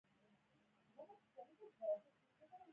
انا د پټ راز امانت ساتي